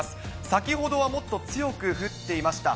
先ほどはもっと強く降っていました。